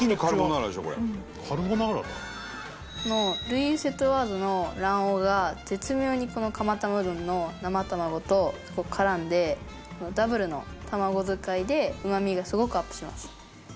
ルイユセトワーズの卵黄が絶妙にこの釜玉うどんの生卵と絡んでダブルの卵使いでうまみがすごくアップします。